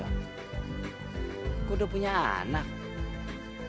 aku udah punya anak